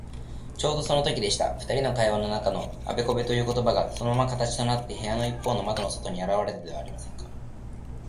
ちょうどそのときでした。ふたりの会話の中のあべこべということばが、そのまま形となって、部屋のいっぽうの窓の外にあらわれたではありませんか。